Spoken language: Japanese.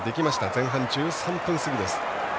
前半１３分過ぎです。